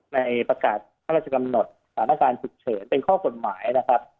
ในประกาศพระราชกำหนดสถานการณ์ฉุกเฉินเป็นข้อกฎหมายนะครับ